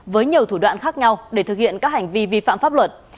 với nhiều thủ đoạn khác nhau để thực hiện các hành vi vi phạm pháp luật